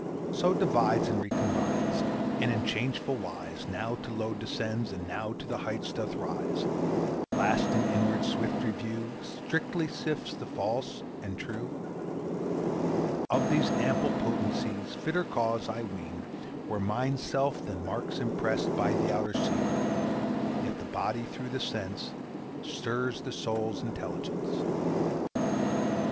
So divides and recombines, And in changeful wise Now to low descends, and now To the height doth rise; Last in inward swift review Strictly sifts the false and true? Of these ample potencies Fitter cause, I ween, Were Mind's self than marks impressed By the outer scene. Yet the body through the sense Stirs the soul's intelligence.